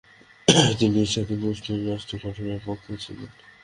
তিনি একটি স্বাধীন মুসলিম রাষ্ট্রে গঠনের পক্ষেও ছিলেন।